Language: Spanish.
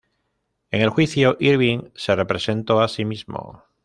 En el juicio, Irving se representó a sí mismo.